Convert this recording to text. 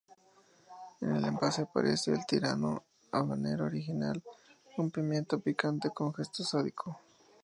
En el envase aparece el Tirano Habanero original, un pimiento picante con gesto sádico.